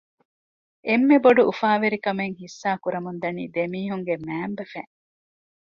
އެންމެ ބޮޑު އުފާވެރިކަމެއް ހިއްސާކުރަމުން ދަނީ ދެމީހުންގެ މައިންބަފައިން